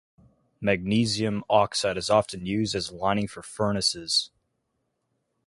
Magnesium oxide is often used as a lining for furnaces.